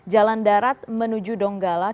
jalan darat menuju donggala